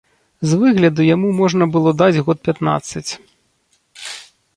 З выгляду яму можна было даць год пятнаццаць.